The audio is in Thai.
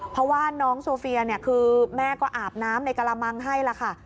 เพราะว่าน้องโซเฟียเนี่ยคือแม่ก็อาบน้ำในกระมังให้ล่ะค่ะ